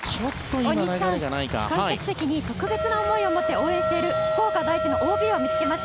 大西さん観客席に特別な思いを持って応援している福岡第一のＯＢを見つけました。